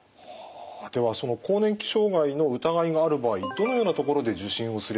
ではその更年期障害の疑いがある場合どのようなところで受診をすればいいですか？